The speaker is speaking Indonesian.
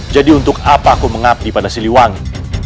jadi untuk apa aku mengabdi pada siliwangi